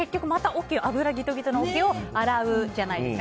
油ギトギトのおけを洗うじゃないですか。